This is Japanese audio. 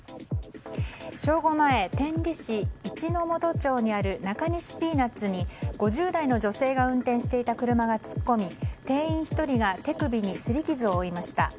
正午前、天理市櫟本町にある中西ピーナツに５０代の女性が運転していた車が突っ込み店員１人が手首に擦り傷を負いました。